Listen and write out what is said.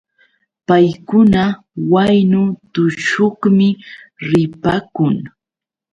Paykuna waynu tushuqmi ripaakun.